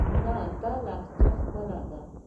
نه دې لهجه خپله ده.